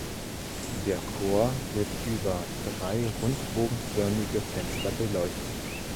Der Chor wird über drei rundbogenförmige Fenster beleuchtet.